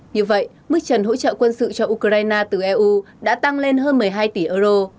như vậy mức trần hỗ trợ quân sự cho ukraine từ eu đã tăng lên hơn một mươi hai tỷ euro